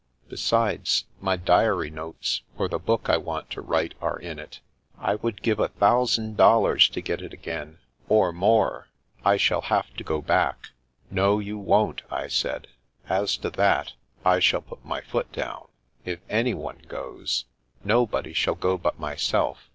Besides, my diary notes for the book I want to write are in it. I would give a thousand dollars to get it again — or more. I shall have to go back." " No, you won't," I said. " As to that, I shall put my foot down. If anyone goes " Nobody shall go but myself.